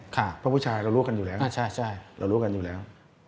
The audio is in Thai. เพราะผู้ชายเรารู้กันอยู่แล้วเรารู้กันอยู่แล้ว